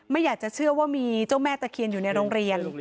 ไม่อยากจะเชื่อว่ามีเจ้าแม่ตะเคียนอยู่ในโรงเรียน